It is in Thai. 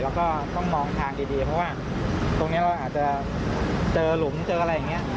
แล้วก็ต้องมองทางดีเพราะว่าตรงนี้เราอาจจะเจอหลุมเจออะไรอย่างนี้